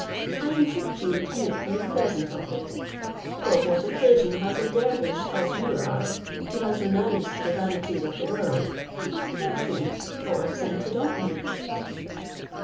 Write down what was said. I entreat you to make me a present of it; for what occasion has a dervish, as you are, who has renounced the vanities of the world, for perfumes, or scented ointments?"